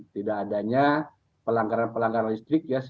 tidak adanya pelanggaran pelanggaran listrik ya